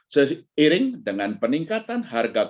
seiring dengan peningkatan harga bbm